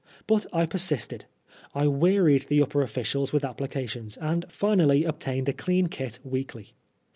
But I persisted. I wearied the upper officials with applications, and finally obtained a clean kit weekly.